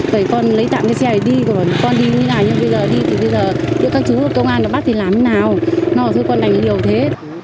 vậy con lấy tạm cái xe này đi con đi đi lại nhưng bây giờ đi thì bây giờ các chú công an nó bắt thì làm thế nào nó bảo thôi con đành điều thế